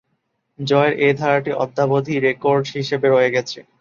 জয়ের এ ধারাটি অদ্যাবধি রেকর্ড হিসেবে রয়ে গেছে।